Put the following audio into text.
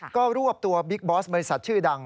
ก็รวบตัวบิ๊กบอสบริษัทชื่อดัง